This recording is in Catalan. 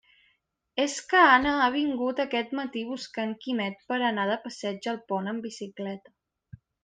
És que Anna ha vingut aquest matí buscant Quimet per a anar de passeig al pont en bicicleta.